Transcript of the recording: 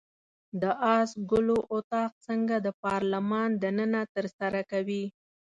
د آس ګلو اطاق څنګه د پارلمان دنده ترسره کوي؟